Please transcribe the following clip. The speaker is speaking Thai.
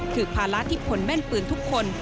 คือภาระที่คนแม่นปืนทุกคน